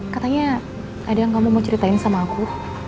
katanya ada yang kamu mau ceritain sama aku